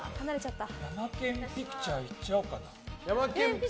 ヤマケン・ピクチャーいっちゃおうかな。